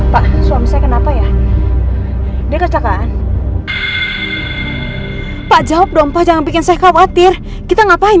pak suami saya kenapa ya dia kecelakaan pak jawab dong pak jangan bikin saya khawatir kita ngapain